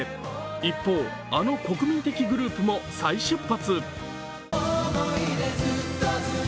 一方、あの国民的グループも再出発。